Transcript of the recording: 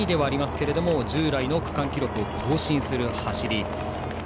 けど従来の区間記録を更新する走り。